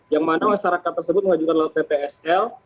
yang mana masyarakat tersebut mengajukan oleh ptsl